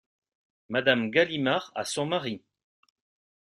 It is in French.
Madame Galimard , à son mari.